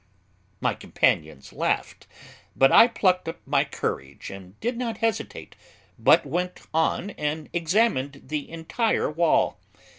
My companions laughed, but I plucked up my courage and did not hesitate, but went on and examined the entire wall.